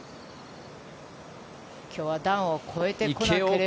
今日は段を越えていかなければ。